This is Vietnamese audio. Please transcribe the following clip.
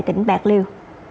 tỉnh bạc liêu